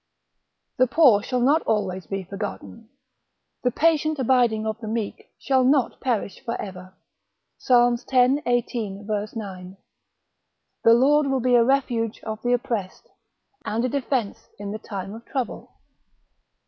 The poor shall not always be forgotten, the patient abiding of the meek shall not perish for ever, Psal. x. 18. ver. 9. The Lord will be a refuge of the oppressed, and a defence in the time of trouble.